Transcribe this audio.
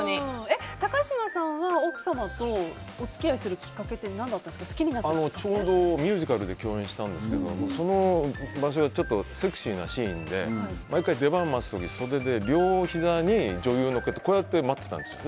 高嶋さんは奥様とお付き合いするきっかけってちょうどミュージカルで共演したんですけどその場所がちょっとセクシーなシーンで毎回、出番を待つ時に袖で両ひざに女優を乗っけて待っていたんですよ。